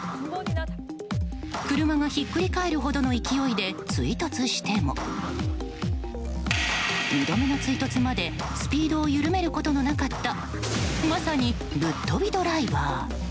車がひっくり返るほどの勢いで追突しても２度目の追突までスピードを緩めることのなかったまさに、ぶっとびドライバー。